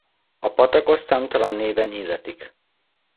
A patakot számtalan néven illetik.